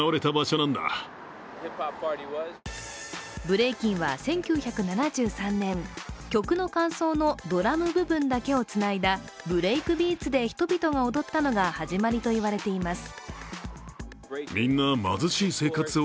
ブレイキンは１９７３年、曲の間奏のドラム部分だけをつないだブレイクビーツで人々が踊ったの始まりと言われています。